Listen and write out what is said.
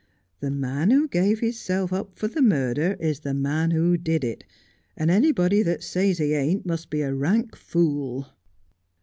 The man who gave hisself up for the murder is the man who did it, and anybody that says he ain't must be a rank fool.'